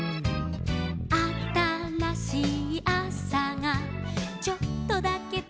「あたらしいあさがちょっとだけとくい顔」